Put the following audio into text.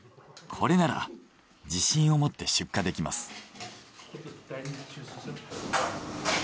これなら自信を持って出荷できます。